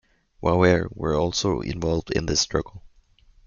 Waware were also involved in this struggle.